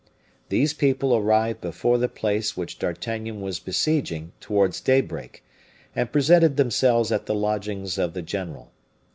These people arrived before the place which D'Artagnan was besieging towards daybreak, and presented themselves at the lodgings of the general.